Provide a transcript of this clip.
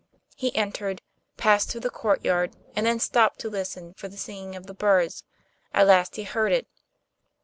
He entered, passed through the courtyard, and then stopped to listen for the singing of the birds; at last he heard it.